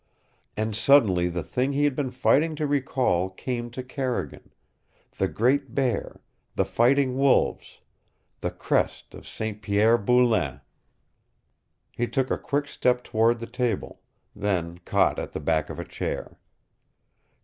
And suddenly the thing he had been fighting to recall came to Carrigan the great bear the fighting wolves the crest of St. Pierre Boulain! He took a quick step toward the table then caught at the back of a chair.